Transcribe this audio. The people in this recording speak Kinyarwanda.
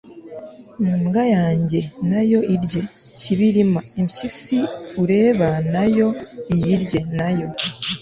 mbwa yange, nayo irye ... kibirima, impyisi ureba na yo iyirye, na yo